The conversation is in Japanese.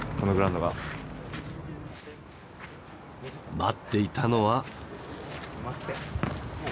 待っていたのは。